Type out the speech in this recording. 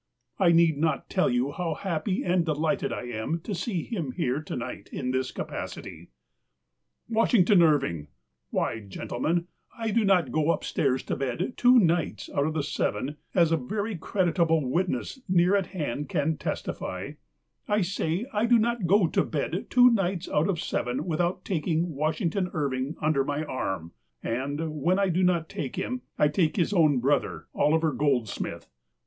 I need not tell you how happy and delighted I am to see him here to night in this capacit\\ Washington Irving ! Why, gentlemen, I do not go upstairs to bed two nights out of the seven — as a very creditable witness near at hand can testify — I say I do not go to bed two nights out of seven without taking Washington Irving un der my arm; and, when I do not take him, I take his own brother, Oliver Goldsmith.